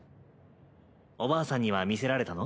おばあさんには見せられたの？